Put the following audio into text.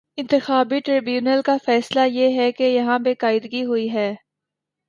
انتخابی ٹربیونل کا فیصلہ یہ ہے کہ یہاں بے قاعدگی ہو ئی ہے۔